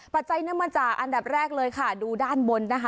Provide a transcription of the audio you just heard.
จัยเนื่องมาจากอันดับแรกเลยค่ะดูด้านบนนะคะ